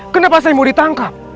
kenapa saya mau ditangkap